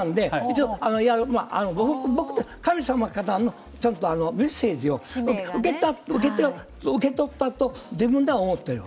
神様からのメッセージを受け取ったと自分では思っている。